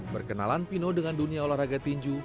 perkenalan fino dengan dunia olahraga tinju